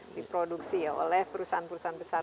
diproduksi ya oleh perusahaan perusahaan besar